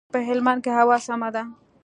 په هلمند کښي هوا سمه ده.